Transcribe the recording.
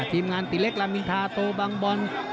ทีมงานติเล็กรามินทาโตบังบอล